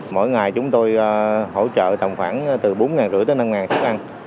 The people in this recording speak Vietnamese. mỗi ngày chúng tôi hỗ trợ tầm khoảng từ bốn năm trăm linh đến năm xuất ăn